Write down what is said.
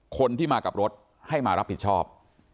คนที่มากับรถให้มารับผิดชอบ